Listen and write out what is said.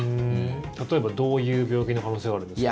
例えば、どういう病気の可能性があるんですか？